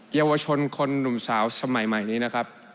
เยาวชนคนหนุ่มสาวสมัยใหม่นี้นะครับ